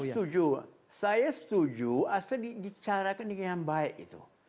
saya setuju saya setuju asal dicarakan yang baik itu